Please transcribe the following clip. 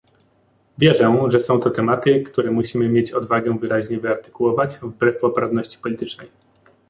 Wierzę, że są to tematy, które musimy mieć odwagę wyraźnie wyartykułować, wbrew poprawności politycznej